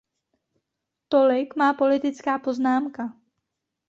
Tolik má politická poznámka.